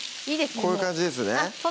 もうこういう感じですね